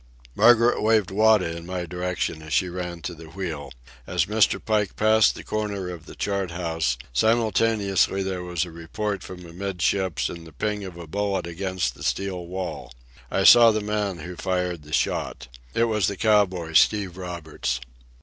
Margaret waved Wada in my direction as she ran to the wheel. As Mr. Pike passed the corner of the chart house, simultaneously there was a report from amidships and the ping of a bullet against the steel wall. I saw the man who fired the shot. It was the cowboy, Steve Roberts.